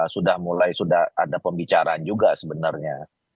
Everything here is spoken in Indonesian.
sudah mulai sudah ada pembicaraan juga sebenarnya